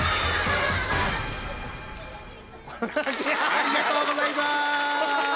ありがとうございます！